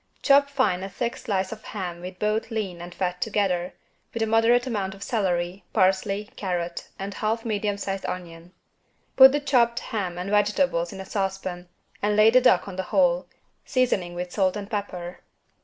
Chop fine a thick slice of ham with both lean and fat together, with a moderate amount of celery, parsley, carrot and half medium sized onion. Put the chopped ham and vegetables in a saucepan and lay the duck on the whole, seasoning with salt and pepper.